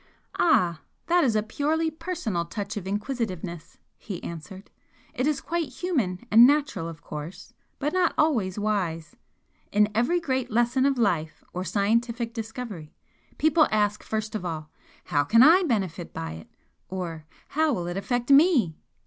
"Ah! That is a purely personal touch of inquisitiveness!" he answered "It is quite human and natural, of course, but not always wise. In every great lesson of life or scientific discovery people ask first of all 'How can I benefit by it?' or 'How will it affect ME?'